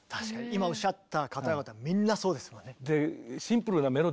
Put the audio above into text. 今おっしゃった方々みんなそうですもんね。